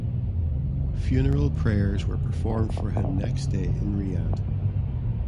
Funeral prayers were performed for him next day in Riyadh.